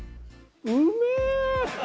うめえ！